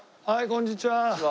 こんにちは。